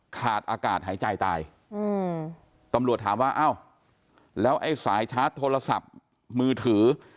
ขาดอากาศหายใจตายตำรวจถามว่าอ้าวแล้วไอ้สายชาร์จโทรศัพท์มือถือ